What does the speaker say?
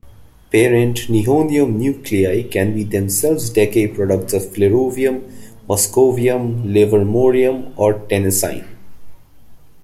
Parent nihonium nuclei can be themselves decay products of flerovium, moscovium, livermorium, or tennessine.